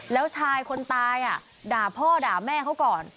แล้วชายคนตายด่าพ่อด่าแม่เขาก่อน